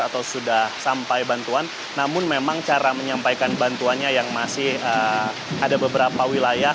atau sudah sampai bantuan namun memang cara menyampaikan bantuannya yang masih ada beberapa wilayah